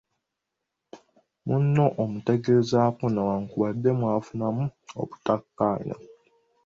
Munno omutegezaako newankubadde mwafunamu obutakkaanya.